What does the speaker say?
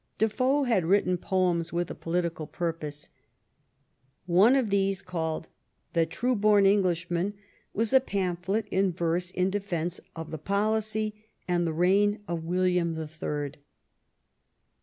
Defoe had written poems with a political purpose. One of these, called " The True born Englishman," was a pamphlet in verse in de fence of the policy and the reign of William the Third.